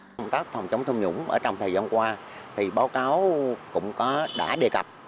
công tác phòng chống tham nhũng ở trong thời gian qua thì báo cáo cũng có đã đề cập